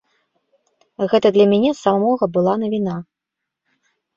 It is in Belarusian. Гэта для мяне самога была навіна.